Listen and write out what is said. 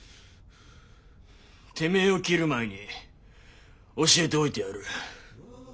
てめえを斬る前に教えておいてやる。